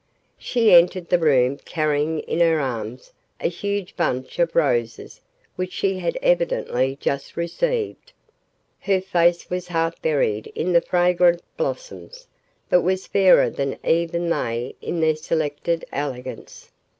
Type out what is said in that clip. She entered the room carrying in her arms a huge bunch of roses which she had evidently just received. Her face was half buried in the fragrant blossoms, but was fairer than even they in their selected elegance.